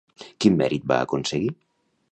Quin mèrit va aconseguir?